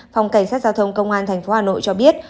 phòng cảnh sát giao thông công an tp hà nội cho biết